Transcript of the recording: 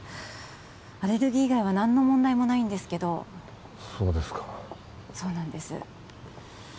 アレルギー以外は何の問題もないんですけどそうですかそうなんです